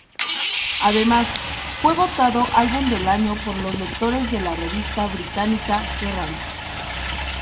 Además, fue votado álbum del año por los lectores de la revista británica Kerrang!.